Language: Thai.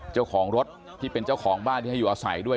เจ้าของรถที่เป็นเจ้าของบ้านที่ให้อยู่อาศัยด้วย